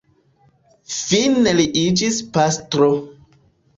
Fine li iĝis pastro.